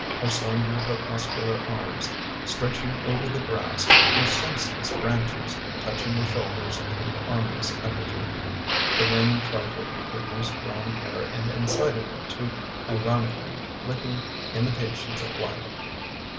Her slender but muscular arms, stretching over the grass, were senseless branches touching the shoulders of the armless effigy. The wind trifled with her loose brown hair and incited it to ironically flitting imitations of life.